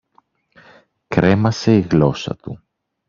κρέμασε η γλώσσα του